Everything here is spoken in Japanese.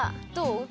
どう？